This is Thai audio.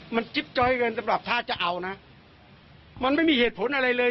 มันจิ๊บจ้อยเกินสำหรับถ้าจะเอานะมันไม่มีเหตุผลอะไรเลย